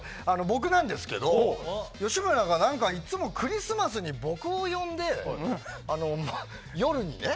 僕なんですけど吉村がいつもクリスマスに僕を呼んで、夜にね。